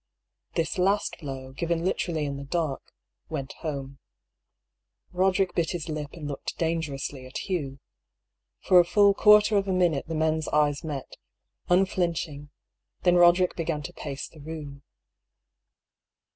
This last blow, given literally in the dark, went home. Boderick bit his lip and looked dangerously at Hugh. For a full quarter of a minute the men's eyes met, unflinching, then Eoderick began to pace the room.